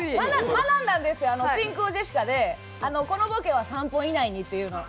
学んだんですよ、真空ジェシカでこのボケは３分以内にというのを。